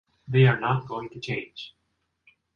They are not going to change.